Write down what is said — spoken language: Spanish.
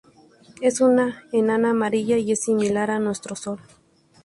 Es una enana amarilla y es similar a nuestro Sol.